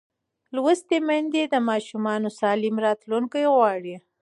لوستې میندې د ماشوم سالم راتلونکی غواړي.